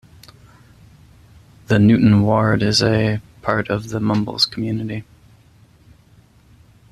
The Newton ward is a part of the Mumbles community.